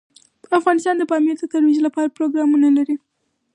افغانستان د پامیر د ترویج لپاره پروګرامونه لري.